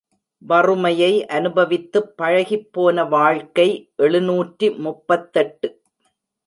வறுமையை அனுபவித்துப் பழகிப்போன வாழ்க்கை எழுநூற்று முப்பத்தெட்டு.